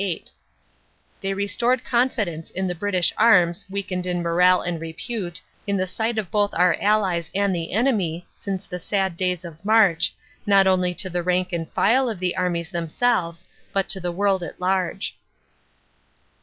8; they restored confidence in the British arms weakened in morale and repute in the sight both of our Allies and the enemy since the sad days of March not only to the rank and file of the armies themselves but to the world at large.